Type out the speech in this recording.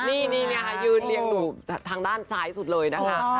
นี่ค่ะยืนเรียงหนูทางด้านซ้ายสุดเลยนะคะ